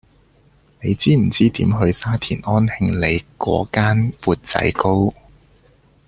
你知唔知點去沙田安興里嗰間缽仔糕